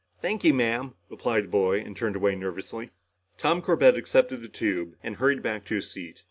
"Thank you, Ma'am," replied the boy and turned away nervously. Tom Corbett accepted the tube and hurried back to his seat.